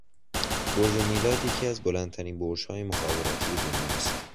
برج میلاد یکی از بلندترین برجهای مخابراتی دنیاست